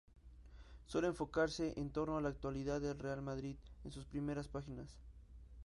Suele enfocarse en torno a la actualidad del Real Madrid en sus primeras páginas.